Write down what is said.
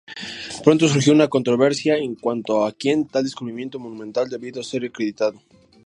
Pronto surgió una controversia en cuanto a quien tal descubrimiento monumental debía ser acreditado.